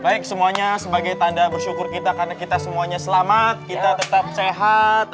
baik semuanya sebagai tanda bersyukur kita karena kita semuanya selamat kita tetap sehat